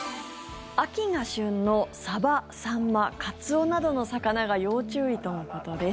秋が旬のサバ、サンマ、カツオなどの魚が要注意とのことです。